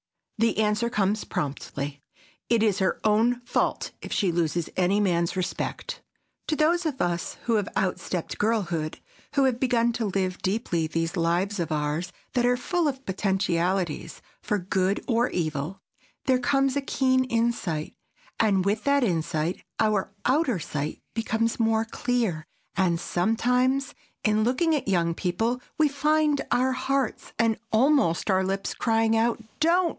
The answer comes promptly: It is her own fault if she loses any man's respect. To those of us who have outstepped girlhood, who have begun to live deeply these lives of ours that are full of potentialities for good or evil, there comes a keen insight, and, with that insight, our outer sight becomes more clear; and, sometimes, in looking at young people, we find our hearts, and almost our lips, crying out, "DON'T!"